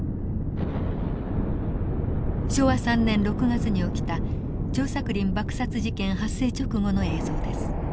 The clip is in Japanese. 昭和３年６月に起きた張作霖爆殺事件発生直後の映像です。